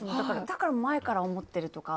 だから、前から思ってるとか。